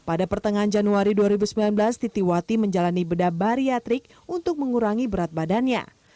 pada pertengahan januari dua ribu sembilan belas titi wati menjalani bedah bariatrik untuk mengurangi berat badannya